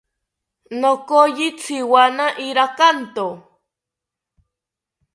Nokoyi tziwana irakanto